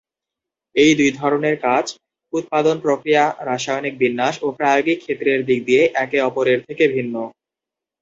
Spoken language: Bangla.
এই দুই ধরনের কাঁচ উৎপাদন প্রক্রিয়া, রাসায়নিক বিন্যাস ও প্রায়োগিক ক্ষেত্রের দিক দিয়ে একে অপরের থেকে ভিন্ন।